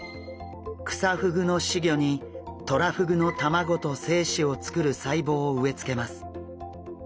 クサフグの仔魚にトラフグの卵と精子をつくる細胞を植え付けます。